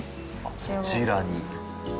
そちらに。